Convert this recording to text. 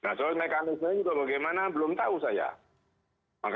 nah soal mekanisme itu bagaimana belum tahu saya